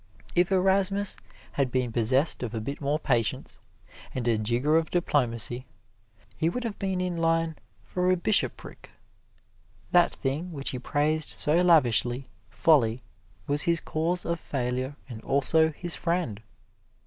If Erasmus had been possessed of a bit more patience and a jigger of diplomacy, he would have been in line for a bishopric. That thing which he praised so lavishly, Folly, was his cause of failure and also his friend.